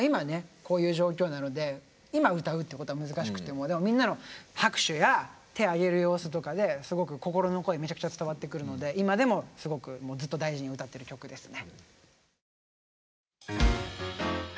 こういう状況なので今歌うってことは難しくてもみんなの拍手や手あげる様子とかですごく心の声めちゃくちゃ伝わってくるので今でもすごくずっと大事に歌ってる曲ですね。